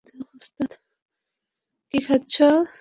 তুই মনে করিস তুই পালানোতে ওস্তাদ।